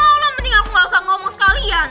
eh nggak mau lah mending aku nggak usah ngomong sekalian